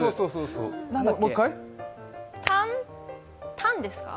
タンですか？